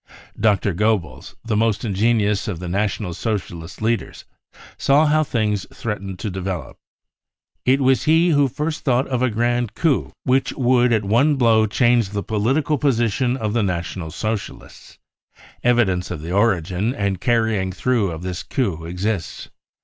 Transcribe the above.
Dr. Goebbels, the most ingenious of the National Socialist leaders, saw how things threatened to develop. 82 BROWN BOOK. OF THE HITLE'R TERROR # It was he who first thought of a gra nd^coup which would at one blow change the political position of the National Socialists, Evidence of the origin and carrying through of this coup exists.